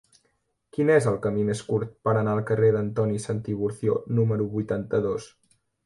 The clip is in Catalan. Quin és el camí més curt per anar al carrer d'Antoni Santiburcio número vuitanta-dos?